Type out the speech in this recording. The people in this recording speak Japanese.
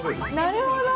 なるほど！